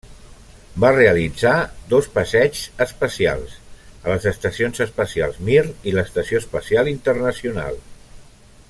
Va realitzar dos passeigs espacials, a les estacions espacials Mir i Estació Espacial Internacional.